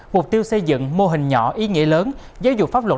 mục tiêu xây dựng mô hình nhỏ ý nghĩa lớn giáo dục pháp luật